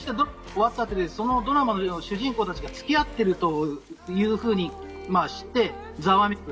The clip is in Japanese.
そのドラマの主人公たちが付き合っているというふうにして、ざわめく。